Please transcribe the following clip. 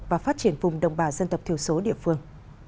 và phát triển vùng đồng bà dân tập thiếu số địa phương